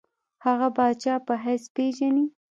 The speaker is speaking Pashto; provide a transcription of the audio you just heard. هغه پاچا په حیث پېژني.